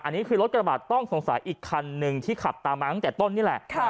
อันนี้คือรถกระบาดต้องสงสัยอีกคันหนึ่งที่ขับตามมาตั้งแต่ต้นนี่แหละ